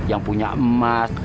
yang punya emas